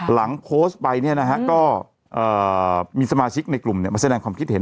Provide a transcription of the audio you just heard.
หลังโพสต์ไปก็มีสมาชิกในกลุ่มมาแสดงความคิดเห็น